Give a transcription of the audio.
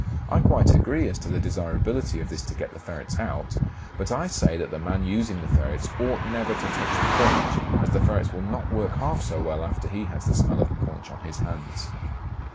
I quite agree as to the desirability of this to get the ferrets out, but I say that the man using the ferrets ought never to touch the paunch, as the ferrets will not work half so well after he has the smell of the paunch on his hands.